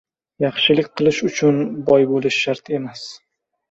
Yaxshilik qilish uchun boy bo‘lish shart emas